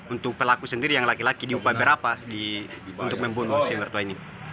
untuk pelaku sendiri yang laki laki diupaya berapa untuk membunuh si mertua ini